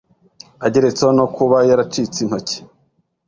ageretseho no kuba yaracitse intoki